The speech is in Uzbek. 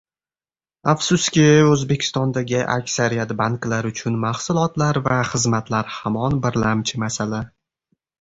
«Afsuski, O‘zbekistondagi aksariyat banklar uchun mahsulotlar va xizmatlar hamon birlamchi masala»